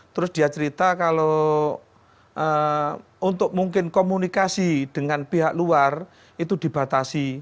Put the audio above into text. terus dia cerita kalau untuk mungkin komunikasi dengan pihak luar itu dibatasi